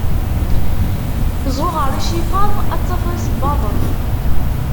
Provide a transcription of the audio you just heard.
zuɣer icifaḍ ar tafeḍ isebbaḍen.